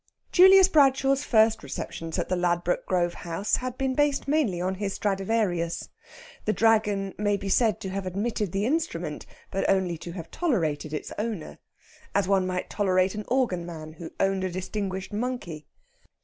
Julius Bradshaw's first receptions at the Ladbroke Grove House had been based mainly on his Stradivarius. The Dragon may be said to have admitted the instrument, but only to have tolerated its owner, as one might tolerate an organman who owned a distinguished monkey.